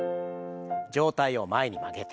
上体を前に曲げて。